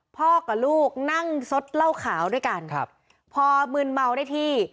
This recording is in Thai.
พ่อกับลูกนั่งซดเหล้าขาวด้วยกันครับพอมึนเมาได้ที่